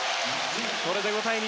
これで５対２